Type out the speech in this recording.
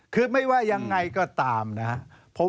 คือไม่ว่ายังไงก็ตามนะครับ